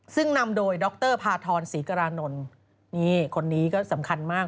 ซึ่งนำโดยดรพาทรศรีกรานนท์นี่คนนี้ก็สำคัญมาก